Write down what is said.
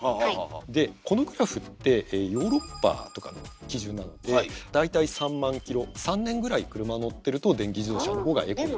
でこのグラフってヨーロッパとか基準なので大体３万ｋｍ３年ぐらい車乗ってると電気自動車の方がエコになる。